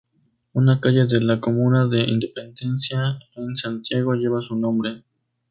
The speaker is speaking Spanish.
Una calle de la comuna de Independencia, en Santiago, lleva su nombre.